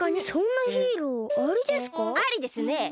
そんなヒーローありですか？